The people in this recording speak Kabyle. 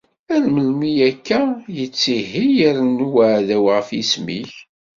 Ar melmi akka ara yettihiy irennu uɛdaw ɣef yisem-ik?